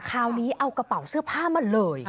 คราวนี้เอากระเป๋าเสื้อผ้ามาเลย